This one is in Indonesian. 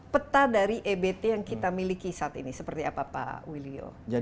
peta dari ebt yang kita miliki saat ini seperti apa pak willio